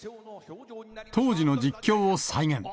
当時の実況を再現。